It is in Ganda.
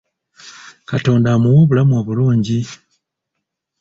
Katonda amuwe obulamu obulungi.